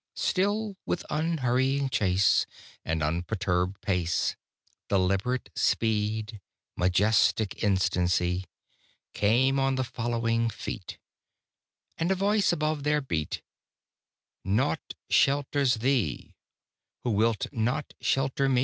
Still with unhurrying chase, And unperturbèd pace, Deliberate speed, majestic instancy, Came on the following Feet, And a Voice above their beat "Naught shelters thee, who wilt not shelter Me."